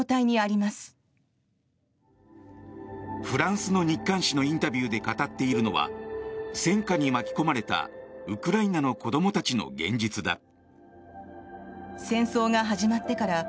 フランスの日刊紙のインタビューで語っているのは戦渦に巻き込まれたウクライナの子どもたちの現実だ。